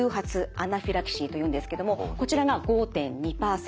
アナフィラキシーというんですけどもこちらが５．２％。